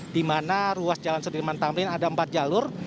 di mana ruas jalan sudirman tamrin ada empat jalur